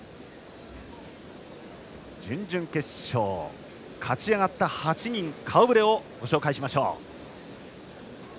準々決勝、勝ち上がった８人の顔ぶれをご紹介しましょう。